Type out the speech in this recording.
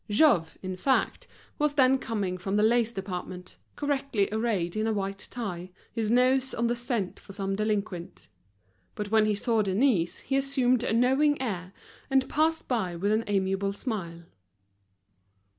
Jouve, in fact, was then coming from the lace department, correctly arrayed in a white tie, his nose on the scent for some delinquent. But when he saw Denise he assumed a knowing air, and passed by with an amiable smile.